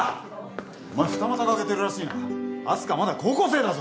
お前二股かけてるらしいな明日香まだ高校生だぞ！